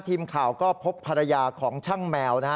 ทีมข่าวก็พบภรรยาของช่างแมวนะฮะ